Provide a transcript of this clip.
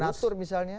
dari bonatur misalnya